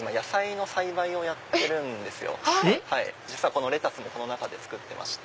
このレタスも中で作ってまして。